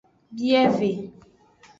Bieve.